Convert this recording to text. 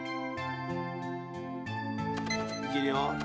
いけるよ！